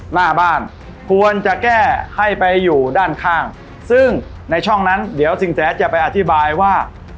หน้าบ้านควรจะแก้ให้ไปอยู่ด้านข้างซึ่งในช่องนั้นเดี๋ยวสินแสจะไปอธิบายว่า